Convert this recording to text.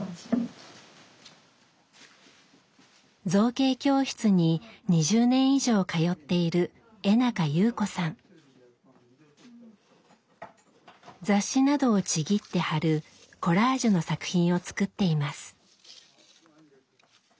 造形教室に２０年以上通っている雑誌などをちぎって貼るコラージュの作品を作っています。